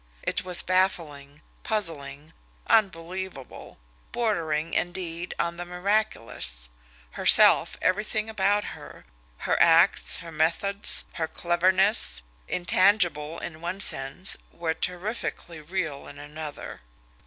It was baffling, puzzling, unbelievable, bordering, indeed, on the miraculous herself, everything about her, her acts, her methods, her cleverness, intangible in one sense, were terrifically real in another.